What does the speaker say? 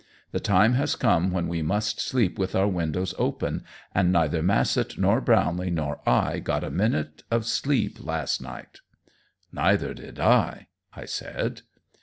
The time has come when we must sleep with our windows open, and neither Massett nor Brownlee nor I got a minute of sleep last night." "Neither did I," I said.